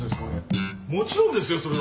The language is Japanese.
もちろんですよそれは。